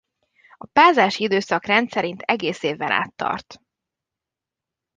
A párzási időszak rendszerint egész éven át tart.